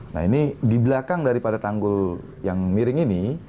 nah ini di belakang daripada tanggul yang miring ini